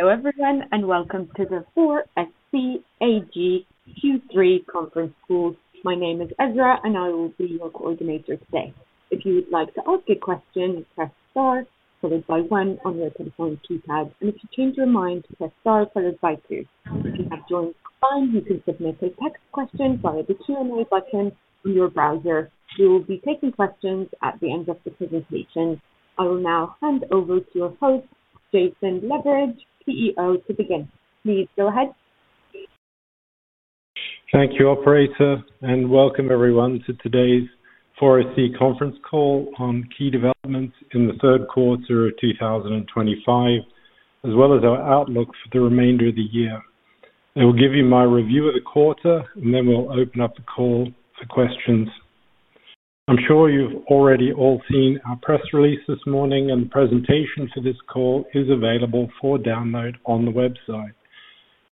Hello everyone, and welcome to the 4SC AG Q3 Conference Call. My name is Ezra, and I will be your coordinator today. If you would like to ask a question, press star followed by one on your telephone keypad, and if you change your mind, press star followed by two. If you have joined online, you can submit a text question via the Q&A button in your browser. We will be taking questions at the end of the presentation. I will now hand over to your host, Jason Loveridge, CEO, to begin. Please go ahead. Thank you, operator, and welcome everyone to today's 4SC Conference Call on key developments in the third quarter of 2025, as well as our outlook for the remainder of the year. I will give you my review of the quarter, and then we'll open up the call for questions. I'm sure you've already all seen our press release this morning, and the presentation for this call is available for download on the website.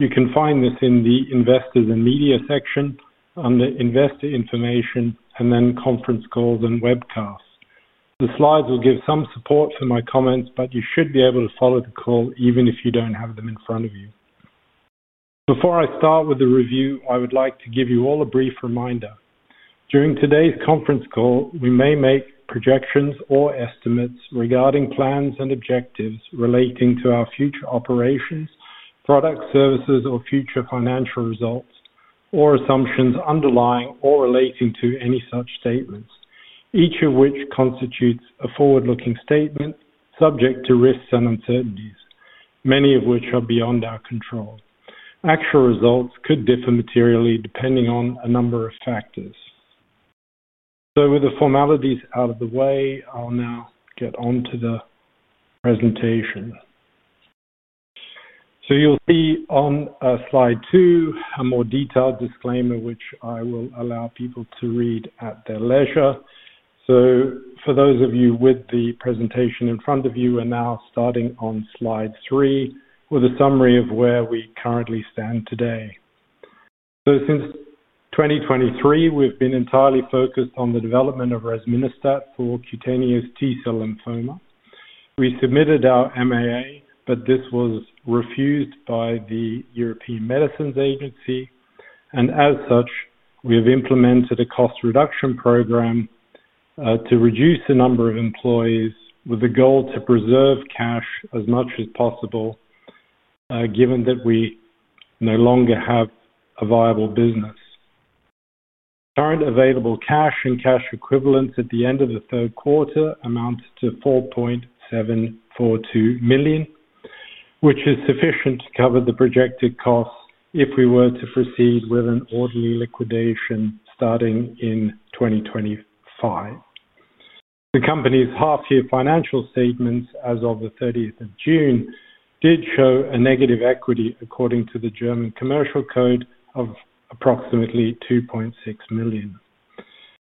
You can find this in the Investors and Media section under Investor Information and then conference calls and webcasts. The slides will give some support for my comments, but you should be able to follow the call even if you don't have them in front of you. Before I start with the review, I would like to give you all a brief reminder. During today's conference call, we may make projections or estimates regarding plans and objectives relating to our future operations, products, services, or future financial results, or assumptions underlying or relating to any such statements, each of which constitutes a forward-looking statement subject to risks and uncertainties, many of which are beyond our control. Actual results could differ materially depending on a number of factors. With the formalities out of the way, I'll now get on to the presentation. You'll see on slide two a more detailed disclaimer, which I will allow people to read at their leisure. For those of you with the presentation in front of you, we're now starting on slide three with a summary of where we currently stand today. Since 2023, we've been entirely focused on the development of Resminostat for cutaneous T-cell lymphoma. We submitted our MAA, but this was refused by the European Medicines Agency, and as such, we have implemented a cost reduction program to reduce the number of employees with the goal to preserve cash as much as possible, given that we no longer have a viable business. Current available cash and cash equivalents at the end of the third quarter amount to 4.742 million, which is sufficient to cover the projected costs if we were to proceed with an orderly liquidation starting in 2025. The company's half-year financial statements as of the 30th of June did show a negative equity according to the German commercial code of approximately 2.6 million.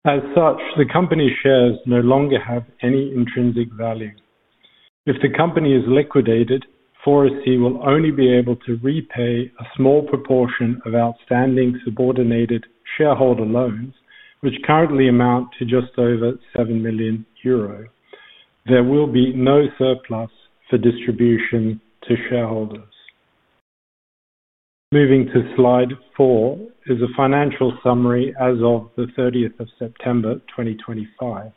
As such, the company's shares no longer have any intrinsic value. If the company is liquidated, 4SC will only be able to repay a small proportion of outstanding subordinated shareholder loans, which currently amount to just over 7 million euro. There will be no surplus for distribution to shareholders. Moving to slide four is a financial summary as of the 30th of September, 2025. As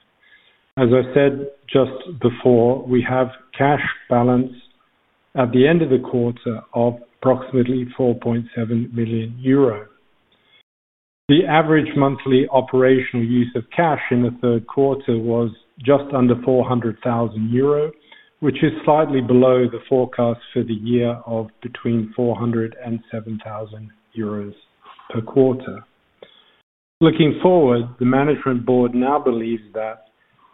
I said just before, we have a cash balance at the end of the quarter of approximately 4.7 million euro. The average monthly operational use of cash in the third quarter was just under 400,000 euro, which is slightly below the forecast for the year of between 400,000 euros and 700,000 euros per quarter. Looking forward, the Management Board now believes that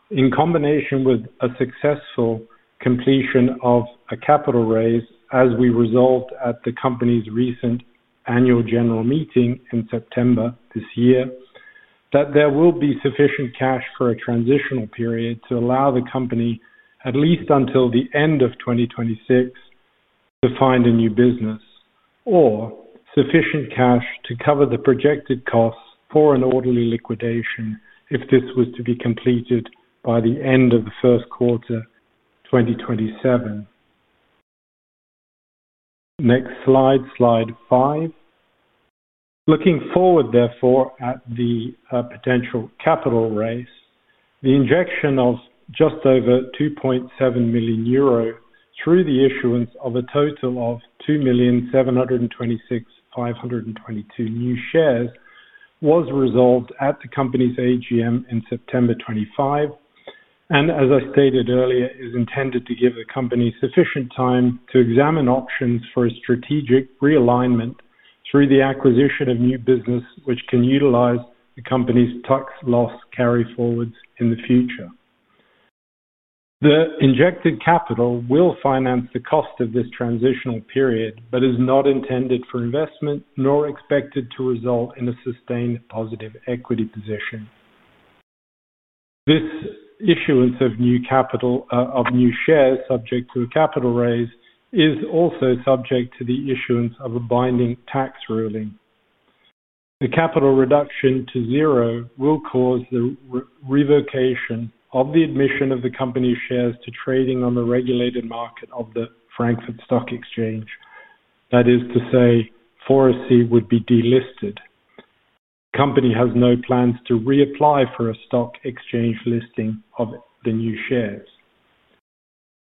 in combination with a successful completion of a capital raise, as we resolved at the company's recent Annual General Meeting in September this year, there will be sufficient cash for a transitional period to allow the company at least until the end of 2026 to find a new business or sufficient cash to cover the projected costs for an orderly liquidation if this was to be completed by the end of the first quarter of 2027. Next slide, slide five. Looking forward, therefore, at the potential capital raise, the injection of just over 2.7 million euro through the issuance of a total of 2,726,522 new shares was resolved at the company's AGM in September 2025 and, as I stated earlier, is intended to give the company sufficient time to examine options for a strategic realignment through the acquisition of new business, which can utilize the company's tax loss carryforwards in the future. The injected capital will finance the cost of this transitional period, but is not intended for investment nor expected to result in a sustained positive equity position. This issuance of new capital of new shares subject to a capital raise is also subject to the issuance of a binding tax ruling. The capital reduction to zero will cause the revocation of the admission of the company's shares to trading on the regulated market of the Frankfurt Stock Exchange. That is to say, 4SC would be delisted. The company has no plans to reapply for a stock exchange listing of the new shares.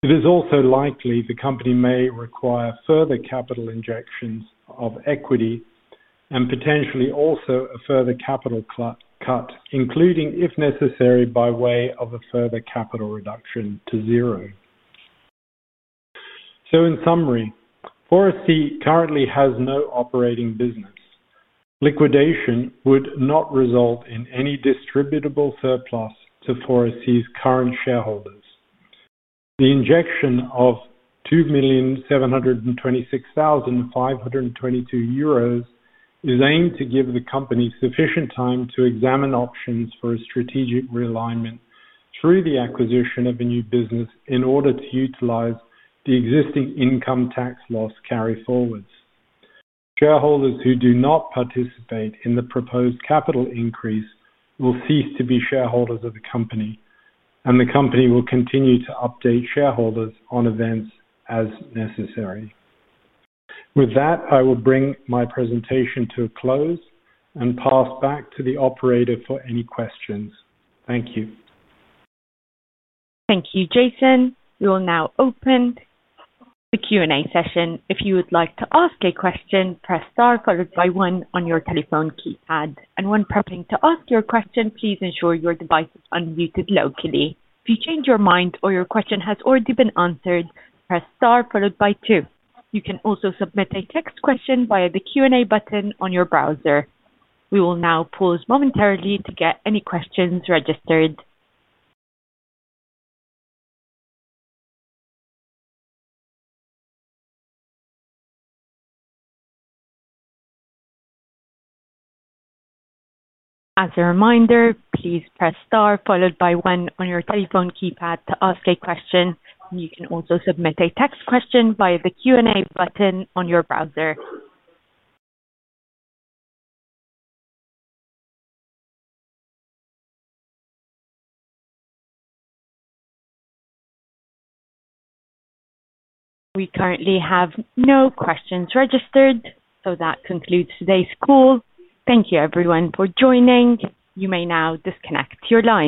It is also likely the company may require further capital injections of equity and potentially also a further capital cut, including, if necessary, by way of a further capital reduction to zero. In summary, 4SC currently has no operating business. Liquidation would not result in any distributable surplus to 4SC's current shareholders. The injection of 2,726,522 euros is aimed to give the company sufficient time to examine options for a strategic realignment through the acquisition of a new business in order to utilize the existing income tax loss carryforwards. Shareholders who do not participate in the proposed capital increase will cease to be shareholders of the company, and the company will continue to update shareholders on events as necessary. With that, I will bring my presentation to a close and pass back to the operator for any questions. Thank you. Thank you, Jason. We will now open the Q&A session. If you would like to ask a question, press star followed by one on your telephone keypad. When prepping to ask your question, please ensure your device is unmuted locally. If you change your mind or your question has already been answered, press star followed by two. You can also submit a text question via the Q&A button on your browser. We will now pause momentarily to get any questions registered. As a reminder, please press star followed by one on your telephone keypad to ask a question, and you can also submit a text question via the Q&A button on your browser. We currently have no questions registered. That concludes today's call. Thank you, everyone, for joining. You may now disconnect your line.